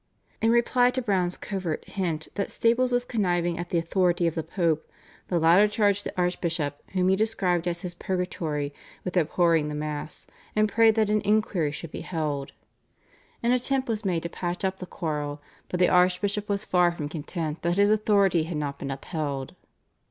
In reply to Browne's covert hint that Staples was conniving at the authority of the Pope, the latter charged the archbishop, whom he described as his purgatory, with abhorring the Mass, and prayed that an inquiry should be held. An attempt was made to patch up the quarrel, but the archbishop was far from content that his authority had not been upheld.